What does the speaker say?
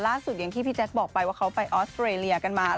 ล่าสุดอย่างที่พี่แจ๊ดบอกไปว่าเขาไปออสเตอรียากันมา